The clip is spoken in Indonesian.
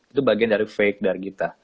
itu bagian dari fake dari kita